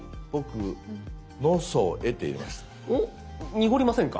濁りませんか？